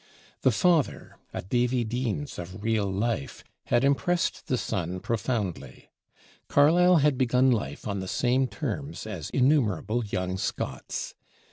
The father, a Davie Deans of real life, had impressed the son profoundly. Carlyle had begun life on the same terms as innumerable young Scots.